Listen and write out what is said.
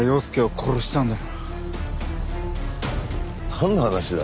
なんの話だ？